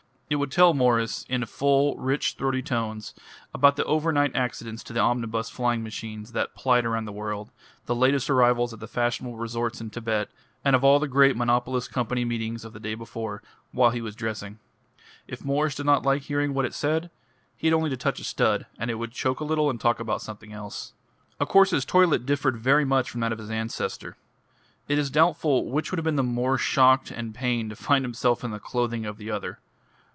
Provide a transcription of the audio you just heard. It would tell Mwres in full, rich, throaty tones about the overnight accidents to the omnibus flying machines that plied around the world, the latest arrivals at the fashionable resorts in Tibet, and of all the great monopolist company meetings of the day before, while he was dressing. If Mwres did not like hearing what it said, he had only to touch a stud, and it would choke a little and talk about something else. Of course his toilet differed very much from that of his ancestor. It is doubtful which would have been the more shocked and pained to find himself in the clothing of the other.